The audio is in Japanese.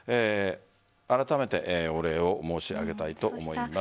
あらためてお礼を申し上げたいと思います。